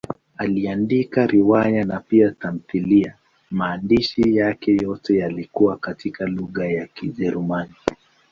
Aliandika riwaya na pia tamthiliya; maandishi yake yote yalikuwa katika lugha ya Kijerumani.